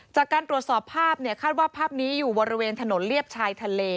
จากการตรวจสอบภาพเนี่ยคาดว่าภาพนี้อยู่บริเวณถนนเลียบชายทะเล